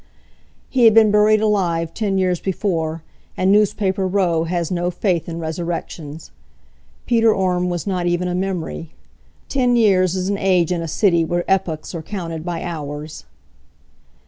He had been buried alive ten years before and Newspaper Row has no faith in resurrections. Peter Orme was not even a memory. Ten years is an age in a city where epochs are counted by hours.